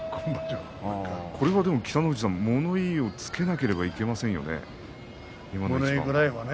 これはでも北の富士さん物言いをつけなければ物言いくらいね